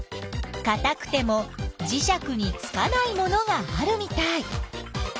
かたくてもじしゃくにつかないものがあるみたい。